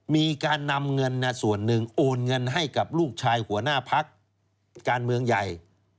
มีการนำเงินส่วนหนึ่งโอนเงินให้กับลูกชายหัวหน้าพักการเมืองใหญ่